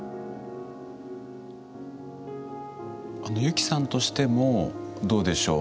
あのユキさんとしてもどうでしょう